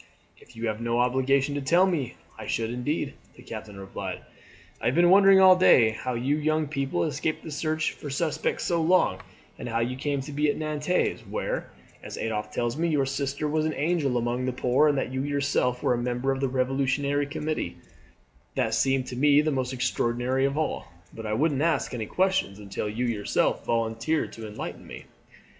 "If you have no obligation to tell me, I should indeed," the captain replied; "I have been wondering all day how you young people escaped the search for suspects so long, and how you came to be at Nantes, where, as Adolphe tells me, your sister was an angel among the poor, and that you yourself were a member of the Revolutionary Committee; that seemed to me the most extraordinary of all, but I wouldn't ask any questions until you yourself volunteered to enlighten me."